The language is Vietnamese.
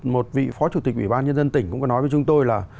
một vị phó chủ tịch ủy ban nhân dân tỉnh cũng có nói với chúng tôi là